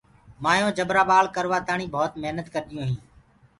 مآيونٚ جبرآ ٻآݪ ڪروآ تآڻيٚ ڀوت محنت ڪرديو هينٚ۔